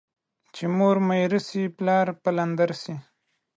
چي مور ميره سي ، پلار پلندر سي.